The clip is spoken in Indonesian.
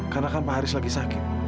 karena kan pak haris lagi sakit